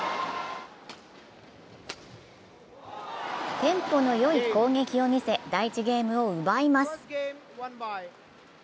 テンポのいい攻撃を見せ第１ゲームを奪います。